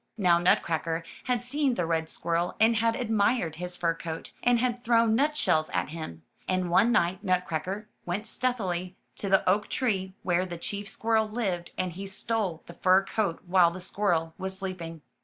Now Nutcracker had seen the red squirrel, and had admired his fur coat, and had thrown nut shells at him; and one night Nutcracker went stealthily to the oak tree where the chief squirrel lived and he stole the fur coat while the squirrel was sleeping.